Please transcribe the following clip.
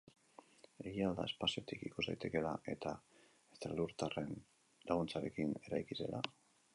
Egia al da espaziotik ikus daitekeela eta estralurtarren laguntzarekin eraiki zela?